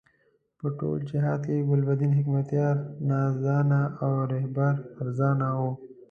په ټول جهاد کې ګلبدین حکمتیار نازدانه او رهبر فرزانه وو.